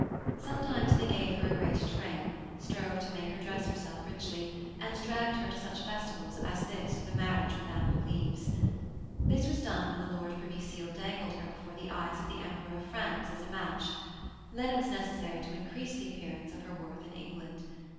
Sometimes they gave her a great train, strove to make her dress herself richly, and dragged her to such festivals as this of the marriage with Anne of Cleves. This was done when the Lord Privy Seal dangled her before the eyes of the Emperor of France as a match; then it was necessary to increase the appearance of her worth in England.